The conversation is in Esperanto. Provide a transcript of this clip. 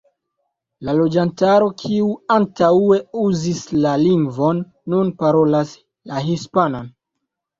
La loĝantaro, kiu antaŭe uzis la lingvon, nun parolas la hispanan.